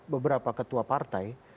beberapa ketua partai